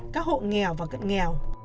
các hộ nghèo và cận nghèo